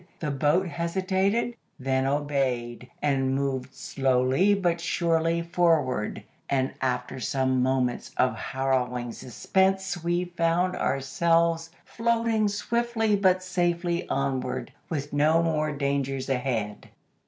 The boat hesitated, then obeyed, and moved slowly but surely forward; and after some moments of harrowing suspense we found ourselves floating swiftly but safely onward, with no more dangers ahead."